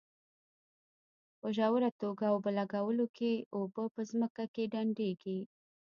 په ژوره توګه اوبه لګولو کې اوبه په ځمکه کې ډنډېږي.